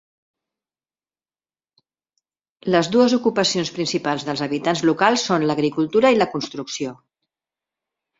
Les dues ocupacions principals dels habitants locals són l'agricultura i la construcció.